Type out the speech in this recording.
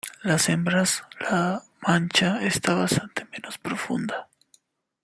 En las hembras, la mancha está bastante menos pronunciada.